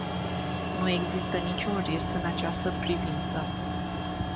Nu există niciun risc în această privință.